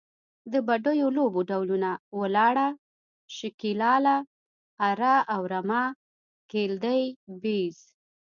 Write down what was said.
د بډیو لوبو ډولونه، ولاړه، شکیلاله، اره او رمه، ګیلدي، بیز …